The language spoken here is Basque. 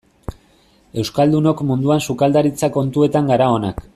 Euskaldunok munduan sukaldaritza kontuetan gara onak.